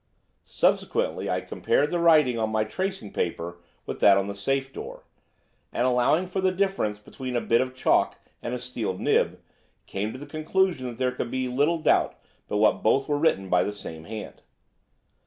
Subsequently I compared the writing on my tracing paper with that on the safe door, and, allowing for the difference between a bit of chalk and a steel nib, came to the conclusion that there could be but little doubt but what both were written by the same hand.